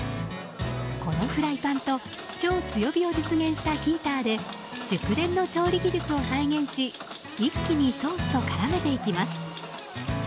このフライパンと超強火を実現したヒーターで熟練の調理技術を再現し一気にソースと絡めていきます。